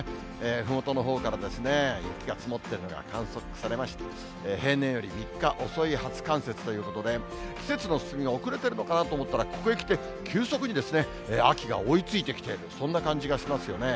ふもとのほうからですね、雪が積もっているのが観測されまして、平年より３日遅い初冠雪ということで、季節の進みが遅れてるのかなと思ったら、ここへ来て急速に秋が追いついてきている、そんな感じがしますよね。